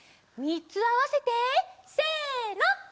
みっつあわせてせの！